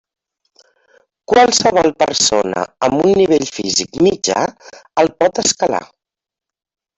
Qualsevol persona amb un nivell físic mitjà el pot escalar.